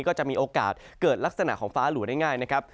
ก็จะมีโอกาสเกิดลักษณะของฟ้าหลัวได้ง่ายนะครับ